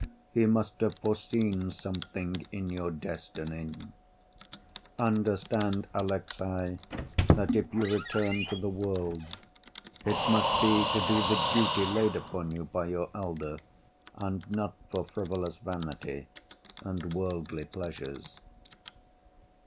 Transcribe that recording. He must have foreseen something in your destiny! Understand, Alexey, that if you return to the world, it must be to do the duty laid upon you by your elder, and not for frivolous vanity and worldly pleasures."